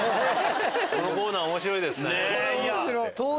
このコーナー面白いですね。